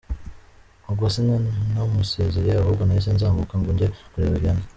Ubwo sinanamusezeye ahubwo nahise nzamuka ngo njye kureba Vianney.